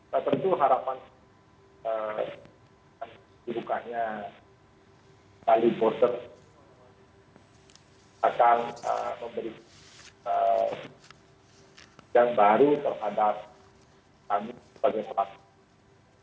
saya terutama harapan dibukanya tali border akan memberikan kebijakan baru terhadap kami sebagai pelatih